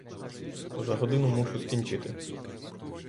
За годину мушу скінчити.